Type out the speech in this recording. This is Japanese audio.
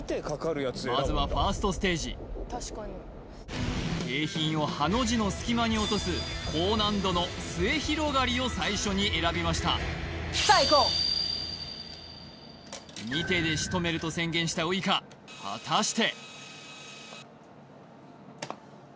まずはファーストステージ景品をハの字の隙間に落とす高難度の末広がりを最初に選びました二手でしとめると宣言したウイカ果たして？